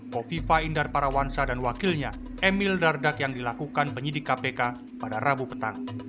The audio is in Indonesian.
kofifa indar parawansa dan wakilnya emil dardak yang dilakukan penyidik kpk pada rabu petang